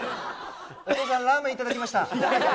お父さん、ラーメン頂きました。